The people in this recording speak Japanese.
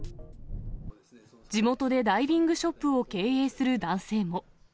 地元でダイビングショップを経営する男性も。